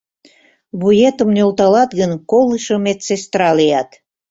Вуетым нӧлталат гын, колышо медсестра лият!